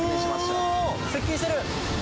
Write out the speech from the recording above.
うおー、接近してる。